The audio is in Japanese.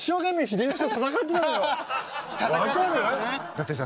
だってさ